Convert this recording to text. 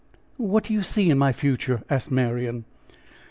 What do you see in my future?" asked Marian.